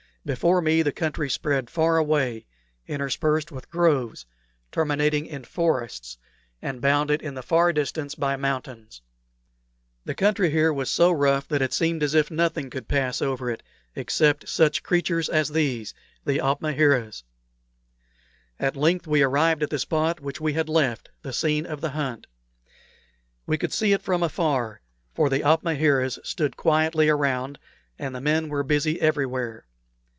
Before me the country spread far away, interspersed with groves, terminating in forests, and bounded in the far distance by mountains. The country here was so rough that it seemed as if nothing could pass over it except such creatures as these the opmaheras. At length we arrived at the spot which we had left the scene of the hunt. We could see it from afar, for the opmaheras stood quietly around, and the men were busy elsewhere.